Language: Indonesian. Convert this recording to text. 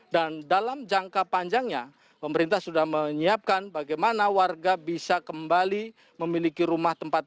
dan dalam jangka panjangnya pemerintah sudah menyiapkan bagaimana warga bisa kembali memiliki rumah tempat hidup